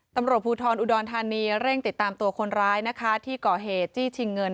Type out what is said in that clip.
ตำรวจภูทรอุดรธานีเร่งติดตามตัวคนร้ายนะคะที่ก่อเหตุจี้ชิงเงิน